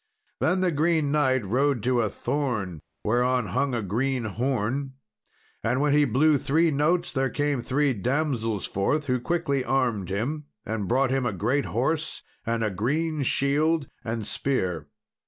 Then the Green Knight rode to a thorn whereon hung a green horn, and, when he blew three notes, there came three damsels forth, who quickly armed him, and brought him a great horse and a green shield and spear.